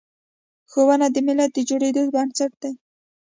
ښوونه د ملت د جوړیدو بنسټ دی.